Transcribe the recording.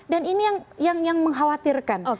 dan ini yang mengkhawatirkan